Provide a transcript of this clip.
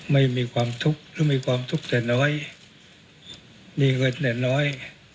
ไม่มีความทุกข์หรือมีความทุกข์แต่น้อยมีเงินแต่น้อย